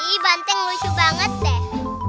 ini banteng lucu banget deh